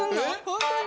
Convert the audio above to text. ホントに？